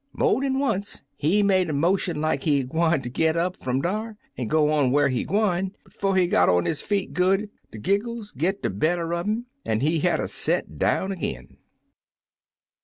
Mo' dan once he made a motion like he gwineter git up fum dar an' go on whar he gwine, but 'fo' he got on his feet good, de giggles 'd git de better un 'im, an' he'd hatter set down ag'in.